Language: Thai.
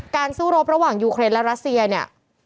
สู้รบระหว่างยูเครนและรัสเซียเนี่ย